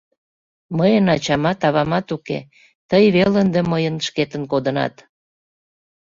Мыйын ачамат, авамат уке, тый веле ынде мыйын шкетын кодынат».